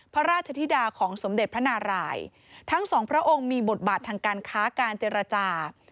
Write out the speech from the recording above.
พระราชธิดาของสมเด็จพระนารายทั้งสองพระองค์มีบทบาททางการค้าการเจรจา